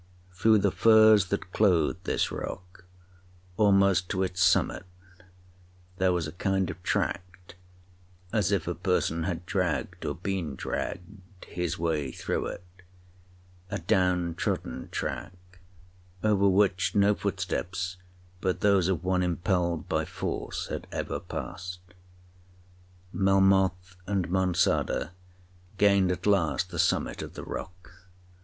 Through the furze that clothed this rock, almost to its summit, there was a kind of tract as if a person had dragged, or been dragged, his way through it—a down trodden track, over which no footsteps but those of one impelled by force had ever passed. Melmoth and Monçada gained at last the summit of the rock.